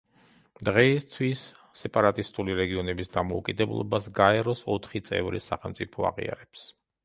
დღეისთვის, სეპარატისტული რეგიონების დამოუკიდებლობას გაერო-ს ოთხი წევრი სახელმწიფო აღიარებს.